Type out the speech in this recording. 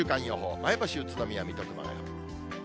前橋、宇都宮、水戸、熊谷。